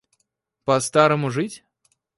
По старому жить?